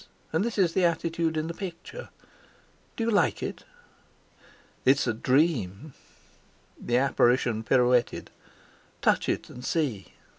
And this is the attitude in the picture. Do you like it?" "It's a dream." The apparition pirouetted. "Touch it, and see."